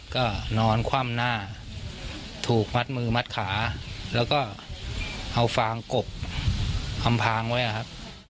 ก็นอนคว่ำหน้าถูกมัดมือมัดขาแล้วก็เอาฟางกบอำพางไว้ครับ